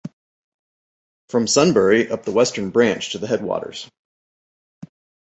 From Sunbury up the western branch to the headwaters.